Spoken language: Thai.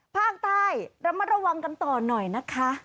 ภาคใต้ระมัดระวังกันต่อหน่อยนะคะ